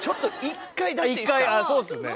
１回あそうっすね。